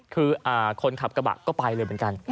คือคนขับกระบะก็ไปเลยเหมือนกัน